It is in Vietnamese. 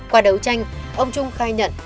qua đấu tranh ông trung khai nhận